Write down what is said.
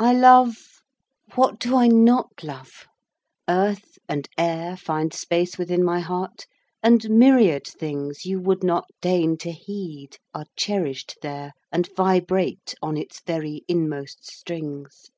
I love what do I not love? earth and air Find space within my heart, and myriad things You would not deign to heed, are cherished there, And vibrate on its very inmost strings.